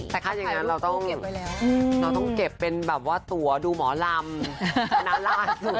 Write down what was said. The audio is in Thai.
แต่ถ้าอย่างนั้นเราต้องเก็บเป็นแบบว่าตัวดูหมอรำน่ารักสุด